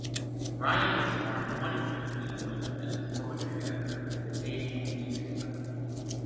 Ryan was born in Leicester, England and is poetry editor for "The Age" newspaper.